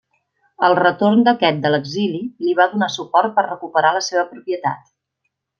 Al retorn d'aquest de l'exili li va donar suport per recuperar la seva propietat.